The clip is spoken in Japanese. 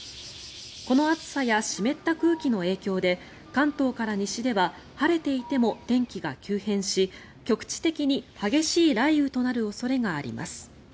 この暑さや湿った空気の影響で関東から西では晴れていても天気が急変し局地的に激しい雷雨となる恐れがあります。